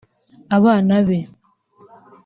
abana be